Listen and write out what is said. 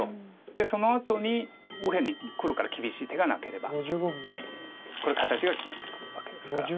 そのあとに右辺に黒から厳しい手がなければこれ形が決まってくるわけですから。